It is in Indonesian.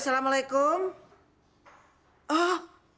masanya rena mau mundur